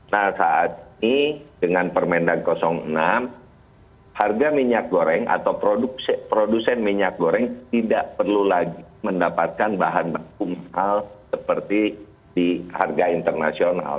nah saat ini dengan permendak enam harga minyak goreng atau produsen minyak goreng tidak perlu lagi mendapatkan bahan baku mahal seperti di harga internasional